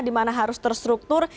dimana harus terstruktur